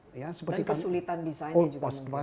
dan kesulitan desainnya juga